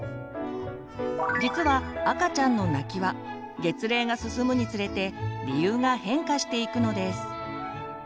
実は赤ちゃんの泣きは月齢が進むにつれて理由が変化していくのです。